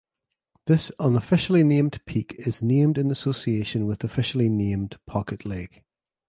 This unofficially named peak is named in association with officially named Pocket Lake.